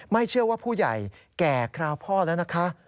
เชื่อว่าผู้ใหญ่แก่คราวพ่อแล้วนะคะ